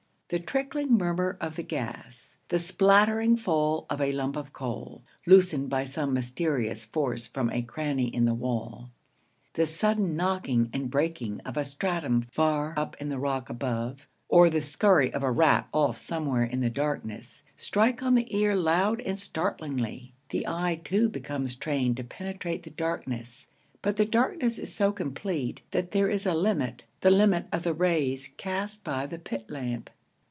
The trickling murmur of the gas; the spattering fall of a lump of coal, loosened by some mysterious force from a cranny in the wall; the sudden knocking and breaking of a stratum far up in the rock above; or the scurry of a rat off somewhere in the darkness strike on the ear loud and startlingly. The eye, too, becomes trained to penetrate the darkness; but the darkness is so complete that there is a limit, the limit of the rays cast by the pit lamp.